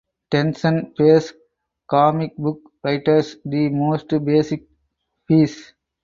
Tencent pays comic book writers the most basic fees.